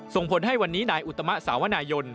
ส่งผลให้วันนี้นายอุตมะสาวนายน